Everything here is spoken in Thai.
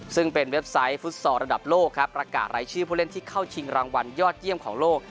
ซึ่งเป็นเว็บไซต์ฟุตซอลระดับโลกครับประกาศรายชื่อผู้เล่นที่เข้าชิงรางวัลยอดเยี่ยมของโลก